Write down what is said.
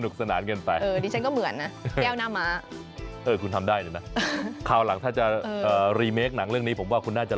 เขาเรียกม้าย่องใช่ไหมฮะ